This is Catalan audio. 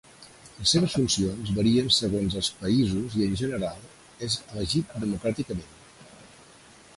Les seves funcions varien segons els països i en general és elegit democràticament.